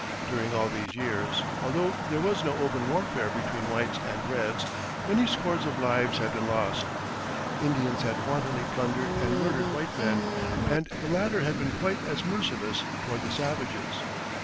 During all these years, although there was no open warfare between whites and reds, many scores of lives had been lost. Indians had wantonly plundered and murdered white men, and the latter had been quite as merciless toward the savages.